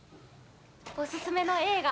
おすすめの映画。